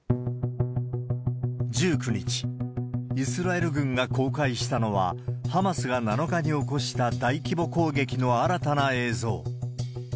１９日、イスラエル軍が公開したのは、ハマスが７日に起こした大規模攻撃の新たな映像。